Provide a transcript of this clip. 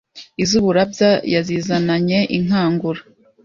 Iz'i Burabya yazizananye inkangura